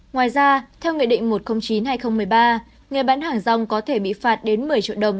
ngoài ra theo nghị định một trăm linh chín hai nghìn một mươi ba người bán hàng rong có thể bị phạt đến một mươi triệu đồng